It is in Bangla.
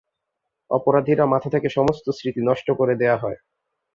অপরাধীর মাথা থেকে সমস্ত স্মৃতি নষ্ট করে দেয়া হয়।